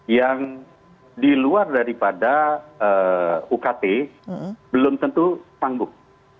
yang diluar daripada ukt belum tentu panggung